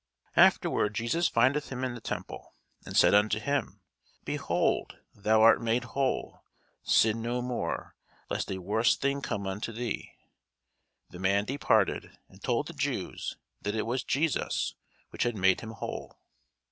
Afterward Jesus findeth him in the temple, and said unto him, Behold, thou art made whole: sin no more, lest a worse thing come unto thee. The man departed, and told the Jews that it was Jesus, which had made him whole.